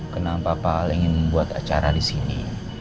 kenapa pak al ingin membuat acara disini